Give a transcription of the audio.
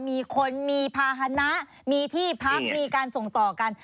มีคนมีภาษณะมีที่พักมีการส่งต่อกัน